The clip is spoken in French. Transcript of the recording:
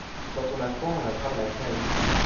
Quand on a froid on attrape la crève.